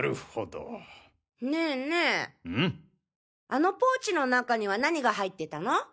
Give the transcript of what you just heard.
あのポーチの中には何が入ってたの？